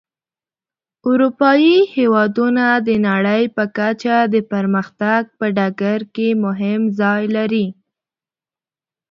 اروپایي هېوادونه د نړۍ په کچه د پرمختګ په ډګر کې مهم ځای لري.